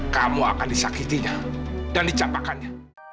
kamu akan disakitinya dan dicapakannya